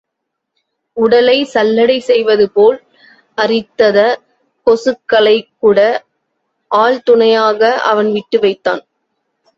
உடலை சல்லடை செய்வதுபோல் அரித்தத கொசுக்களைக்கூட ஆள் துணையாக, அவன் விட்டு வைத்தான்.